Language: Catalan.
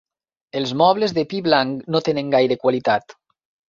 Els mobles de pi blanc no tenen gaire qualitat.